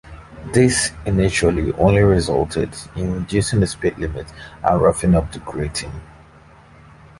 This initially only resulted in reducing the speed limit and roughing up the grating.